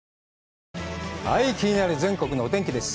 気になる全国のお天気です。